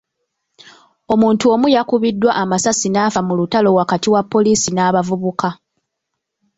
Omuntu omu yakubiddwa amasasi n'afa mu lutalo wakati wa poliisi n'abavubuka.